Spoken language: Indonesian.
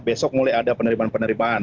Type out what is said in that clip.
besok mulai ada penerimaan penerimaan